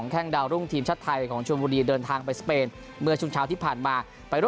แค่งดาวรุ่งทีมชาติไทยของชวนบุรีเดินทางไปสเปนเมื่อช่วงเช้าที่ผ่านมาไปร่วม